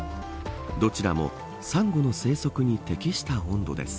どちらもサンゴの生息に適した温度です。